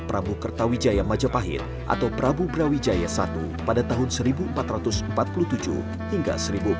prabu kertawijaya majapahit atau prabu brawijaya satu pada tahun seribu empat ratus empat puluh tujuh hingga seribu empat ratus